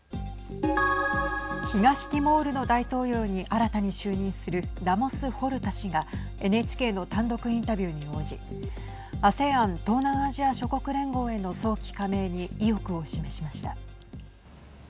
東ティモールの大統領に新たに就任するラモス・ホルタ氏がＮＨＫの単独インタビューに応じＡＳＥＡＮ＝東南アジア諸国連合への早期加盟に意欲を示しました。